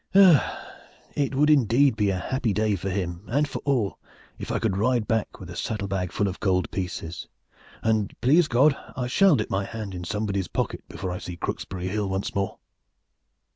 Ah! it would indeed be a happy day for him and for all if I could ride back with a saddle bag full of gold pieces, and please God, I shall dip my hand in somebody's pocket before I see Crooksbury Hill once more!"